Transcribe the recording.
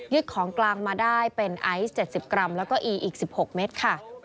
ของกลางมาได้เป็นไอซ์๗๐กรัมแล้วก็อีอีก๑๖เมตรค่ะ